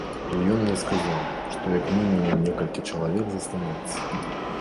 І ён мне сказаў, што як мінімум некалькі чалавек застанецца.